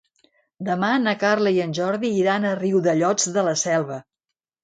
Demà na Carla i en Jordi iran a Riudellots de la Selva.